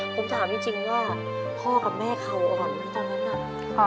ผมถามจริงว่าพ่อกับแม่เขาอ่อนไหมตอนนั้นน่ะ